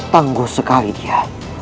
tangguh sekali dia